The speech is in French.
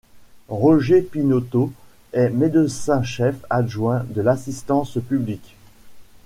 Roger Pinoteau est médecin-chef adjoint de l'Assistance publique.